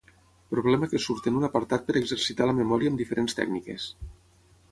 Problema que surt en un apartat per exercitar la memòria amb diferents tècniques.